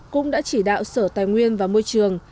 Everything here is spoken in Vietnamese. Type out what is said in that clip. cũng đã chỉ đạo sở tài nguyên và môi trường